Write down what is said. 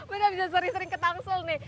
udah bisa sering sering ke tangsel nih